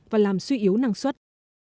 và làm suy yếu năng suất